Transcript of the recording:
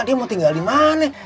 dia mau tinggal di mana